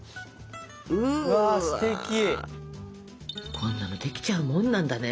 こんなのできちゃうもんなんだね。